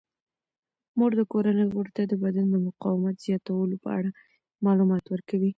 مور د کورنۍ غړو ته د بدن د مقاومت زیاتولو په اړه معلومات ورکوي.